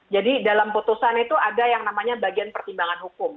jadi dalam putusan itu ada yang namanya bagian pertimbangan hukum